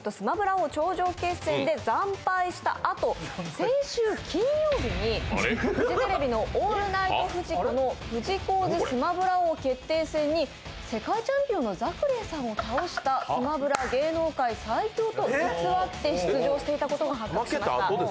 王頂上決戦」で惨敗したあと、先週金曜日にフジテレビの「オールナイトフジコ」のフジコーズスマブラ王決定戦に世界チャンピオンのザクレイさんを倒した、スマブラ王芸能界最強として出場していたことが発覚しました。